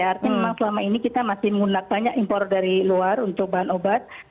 artinya memang selama ini kita masih menggunakan banyak impor dari luar untuk bahan obat